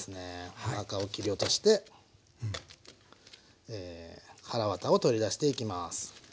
おなかを切り落としてえはらわたを取り出していきます。